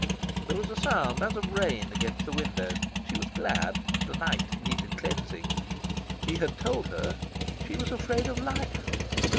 There was a sound as of rain against the window. She was glad. The night needed cleansing. He had told her she was afraid of life.